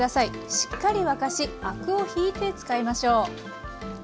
しっかり沸かしアクをひいて使いましょう。